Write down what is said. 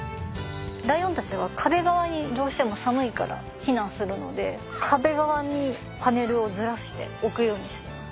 ライオンたちは壁側にどうしても寒いから避難するので壁側にパネルをずらして置くようにしてます。